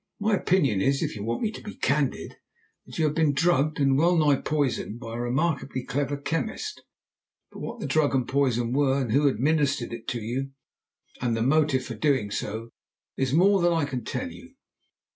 "My opinion is, if you want me to be candid, that you have been drugged and well nigh poisoned by a remarkably clever chemist. But what the drug and poison were, and who administered it to you, and the motive for doing so, is more than I can tell you.